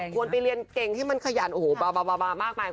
ควรไปเรียนเก่งที่มันขยันมากมาย